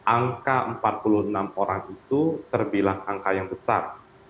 angka empat puluh enam orang itu terbilang angka yang besar